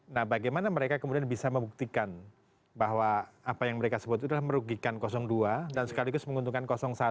nah bagaimana mereka kemudian bisa membuktikan bahwa apa yang mereka sebut itu adalah merugikan dua dan sekaligus menguntungkan satu